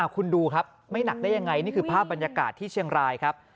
คุณดูครับไม่หนักได้ยังไงนี่คือภาพบรรยากาศที่เชียงรายครับ